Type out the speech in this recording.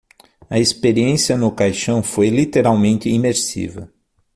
A experiência no caixão foi literalmente imersiva.